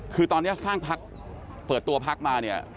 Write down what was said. คือตอนนี้สร้างพักเปิดตัวพักมาเนี่ย